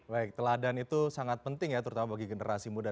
baik teladan itu sangat penting ya terutama bagi generasi muda